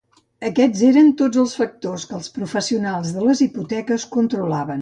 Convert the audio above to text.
Aquests eren tots els factors que els professionals de les hipoteques controlaven.